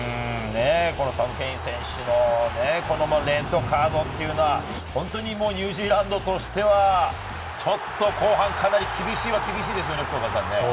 サム・ケイン選手のレッドカードというのは、本当にニュージーランドとしてはちょっと後半かなり厳しいですよね、福岡さん。